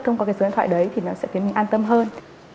không có cái dẫn thoại đấy thì nó sẽ khiến mình an tâm hơn